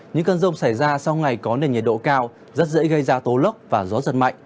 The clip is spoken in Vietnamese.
những cơn rông xảy ra sau ngày có nền nhiệt độ cao rất dễ gây ra tố lốc và gió giật mạnh